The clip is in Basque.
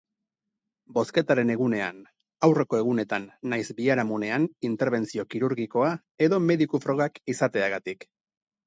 Bozketaren egunean, aurreko egunetan nahiz biharamunean interbentzio kirurgikoa edo mediku frogak izateagatik.